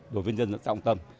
đối với nhân dân xã đồng tâm